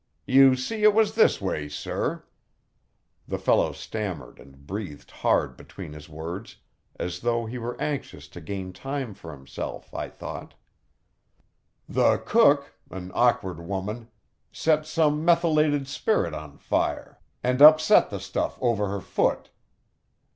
You see, it was this way, sir" (the fellow stammered and breathed hard between his words, as though he were anxious to gain time for himself, I thought): "The cook an awkward woman set some methylated spirit on fire, and upset the stuff over her foot.